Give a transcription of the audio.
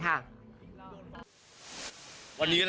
กลับบ้านที่มี